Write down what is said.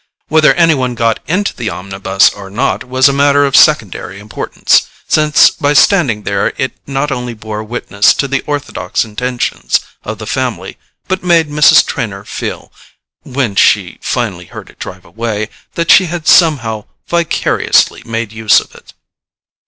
Whether any one got into the omnibus or not was a matter of secondary importance, since by standing there it not only bore witness to the orthodox intentions of the family, but made Mrs. Trenor feel, when she finally heard it drive away, that she had somehow vicariously made use of it.